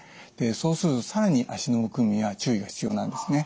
そうすると更に脚のむくみには注意が必要なんですね。